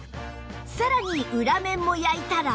さらに裏面も焼いたら